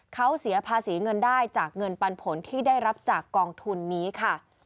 เขาเสียภาษีเงินได้จากเงินปันผลที่ได้รับจากกองทุนนี้ค่ะ